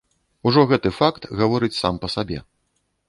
Ужо гэты факт гаворыць сам па сабе.